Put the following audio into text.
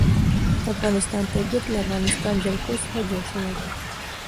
د افغانستان طبیعت له د افغانستان جلکو څخه جوړ شوی دی.